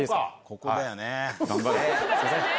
ここだよね。